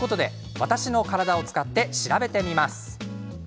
私の体を使って調べてみます。